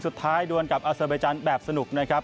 สุดท้ายด้วยกับอศเบจันทร์แบบสนุกนะครับ